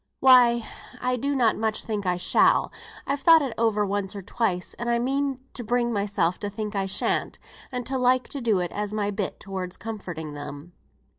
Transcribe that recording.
"Why I do not much think I shall. I've thought it over once or twice, and I mean to bring myself to think I shan't, and to like to do it as my bit towards comforting them.